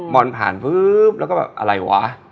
บอลผ่านแล้วก็อะไรวะ